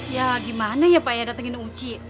ya gimana ya pak ya datengin uci